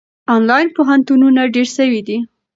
آنلاین پوهنتونونه ډېر سوي دي.